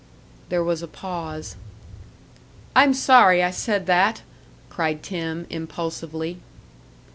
There was a pause. "I'm sorry I said that!" cried Tim, impulsively.